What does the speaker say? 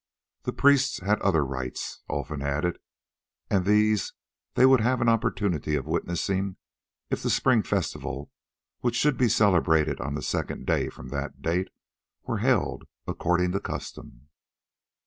The priests had other rites, Olfan added, and these they would have an opportunity of witnessing if the spring festival, which should be celebrated on the second day from that date, were held according to custom.